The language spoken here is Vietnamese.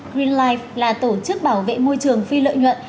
green life là tổ chức bảo vệ môi trường phi lợi nhuận